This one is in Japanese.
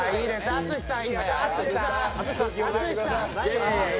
淳さん！